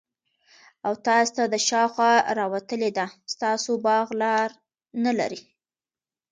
او تاسي ته دشاخوا راوتلي ده ستاسو باغ لار نلري